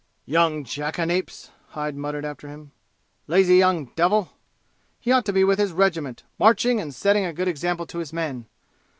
"Young jackanapes!" Hyde muttered after him. "Lazy young devil! He ought to be with his regiment, marching and setting a good example to his men!